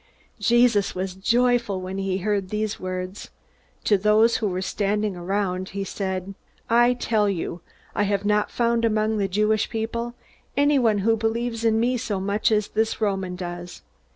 Jesus was joyful when he heard these words. To those who were standing around he said: "I tell you, I have not found among the Jewish people anyone who believes in me so much as this Roman does!